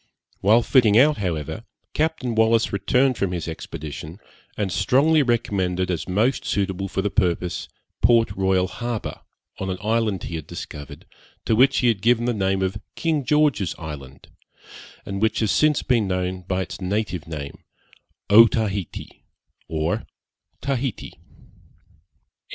While fitting out, however, Captain Wallis returned from his expedition, and strongly recommended as most suitable for the purpose, Port Royal Harbour, on an island he had discovered, to which he had given the name of 'King George's Island,' and which has since been known by its native name, Otaheite or Tahite.